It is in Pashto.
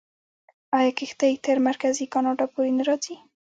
آیا کښتۍ تر مرکزي کاناډا پورې نه راځي؟